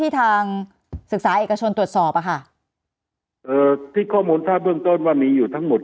ทางศึกษาเอกชนตรวจสอบอ่ะค่ะเอ่อที่ข้อมูลถ้าเบื้องต้นว่ามีอยู่ทั้งหมด